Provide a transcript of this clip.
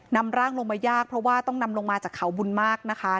นำร่างลงมายากเพราะว่าต้องนำลงมาจากเขาบุญมากนะคะ